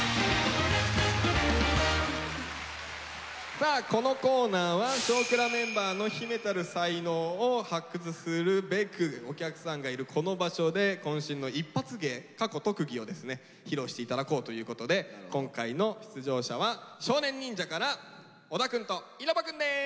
さあこのコーナーは「少クラ」メンバーの秘めたる才能を発掘するべくお客さんがいるこの場所でこん身のイッパツ芸をですね披露して頂こうということで今回の出場者は少年忍者から小田くんと稲葉くんです。